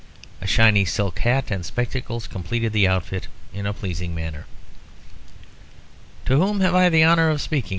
A shiny silk hat and spectacles completed the outfit in a pleasing manner. "To whom have I the honour of speaking?"